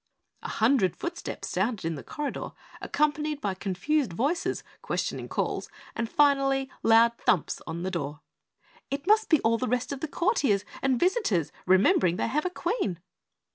A hundred footsteps sounded in the corridor, accompanied by confused voices, questioning calls and finally loud thumps on the door. "It must be all the rest of the courtiers and visitors remembering they have a Queen!"